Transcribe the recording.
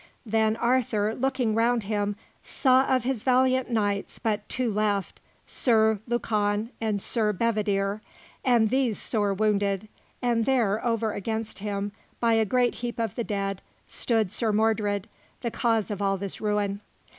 Then Arthur, looking round him, saw of his valiant knights but two left, Sir Lucan and Sir Bedivere, and these sore wounded; and there, over against him, by a great heap of the dead, stood Sir Mordred, the cause of all this ruin.